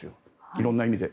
色んな意味で。